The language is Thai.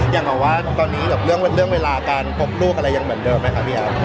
อย่างแบบว่าตอนนี้เรื่องเวลาการพบลูกอะไรยังเหมือนเดิมไหมคะพี่อาร์